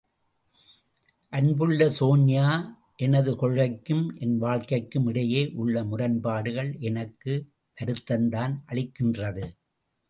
அன்புள்ள சோன்யா, எனது கொள்கைக்கும், என் வாழ்க்கைக்கும் இடையே உள்ள முரண்பாடுகள் எனக்கு வருத்தந்தான் அளிக்கின்றது.